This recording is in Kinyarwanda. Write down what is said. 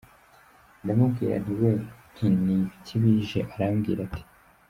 ndamubwira nti we nti ni ibiki bije?, arambwira ati .